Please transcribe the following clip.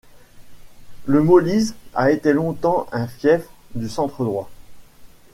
Le Molise a été longtemps un fief du centre droit.